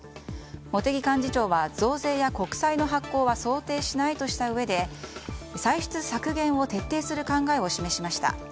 茂木幹事長は増税や国債の発行は想定しないとしたうえで歳出削減を徹底する考えを示しました。